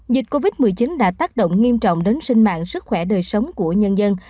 dịch covid một mươi chín đã tác động nghiêm trọng đến sinh mạng sức khỏe đời sống của nhân dân